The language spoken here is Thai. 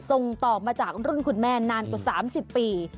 ส่งต่อมาจากรุ่นคุณแม่นานกว่า๓๐ปี